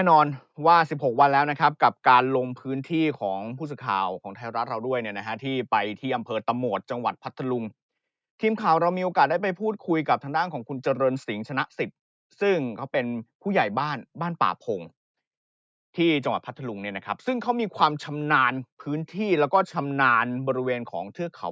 แน่นอนว่าสิบหกวันแล้วนะครับกับการลงพื้นที่ของผู้สื่อข่าวของไทยรัฐเราด้วยเนี่ยนะฮะที่ไปที่อำเภอตะโหมดจังหวัดพัทธลุงทีมข่าวเรามีโอกาสได้ไปพูดคุยกับทางด้านของคุณเจริญสิงหชนะสิทธิ์ซึ่งเขาเป็นผู้ใหญ่บ้านบ้านป่าพงนะฮะที่จังหวัดพัทธลุงเนี่ยนะครับซึ่งเขามีความชำนาญพื้นที่แล้วก็ชำนาญบริเวณของเทือกเขา